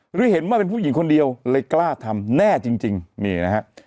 หรือเห็นว่าเป็นผู้หญิงคนเดียวเลยกล้าทำแน่จริงนี่นะฮะ